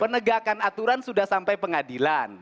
penegakan aturan sudah sampai pengadilan